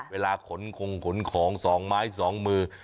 เวลาขนขงขนของ๒ไม้๒มือ